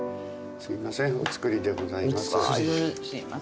すいませんお造りでございます。